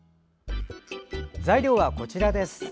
材料はこちらです。